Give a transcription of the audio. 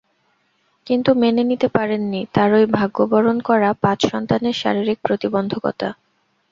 কিন্তু মেনে নিতে পারেননি তাঁরই ভাগ্য বরণ করা পাঁচ সন্তানের শারীরিক প্রতিবন্ধকতা।